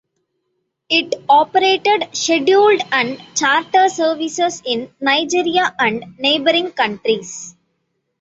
It operated scheduled and charter services in Nigeria and neighbouring countries.